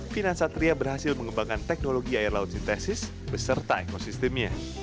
finansatria berhasil mengembangkan teknologi air laut sintesis beserta ekosistemnya